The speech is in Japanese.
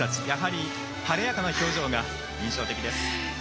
やはり晴れやかな表情が印象的です。